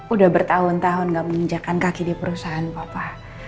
udah bertahun tahun gak menginjakan kaki di perusahaan papa